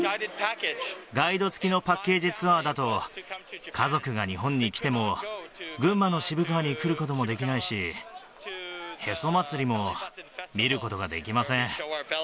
ガイド付きのパッケージツアーだと、家族が日本に来ても、群馬の渋川に来ることもできないし、へそ祭りも見ることができま